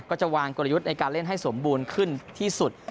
ก็จะวางกลยุทธ์ในการเล่นให้สมบูรณ์ขึ้นที่สุด